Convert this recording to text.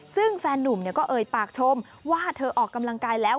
ซึ่งแฟนนุ่มก็เอ่ยปากชมว่าเธอออกกำลังกายแล้ว